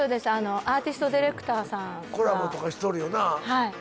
アーティストディレクターさんとかコラボとかしとるよな